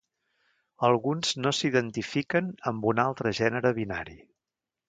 Alguns no s'identifiquen amb un altre gènere binari.